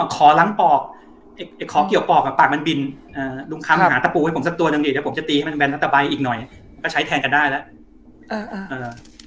อ๋ขอล้างปอกเอกขอเกี่ยวปอกอ่ะปากมันบินอ่ะอิงคามหาตะปูให้ผมสักตัวนึงดิเดี๋ยวผมจะตีทำให้แบนแล้วตะใบอีกหน่อยอ่ะก็ใช้แทนกันได้ล่ะอ่าอ่า